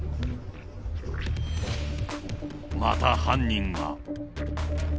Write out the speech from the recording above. また犯人が。